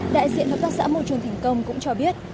đại diện hợp tác xã môi trường thành công cũng cho biết